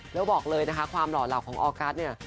แล้วบอกเลยนะคะความหล่อเหล่าของออกัสเนี่ย